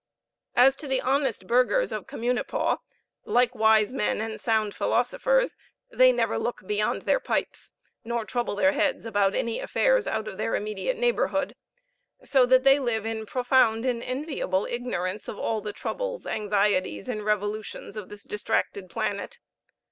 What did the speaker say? As to the honest burghers of Communipaw, like wise men and sound philosophers, they never look beyond their pipes, nor trouble their heads about any affairs out of their immediate neighborhood; so that they live in profound and enviable ignorance of all the troubles, anxieties, and revolutions of this distracted planet.